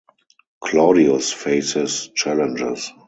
Claudius faces challenges.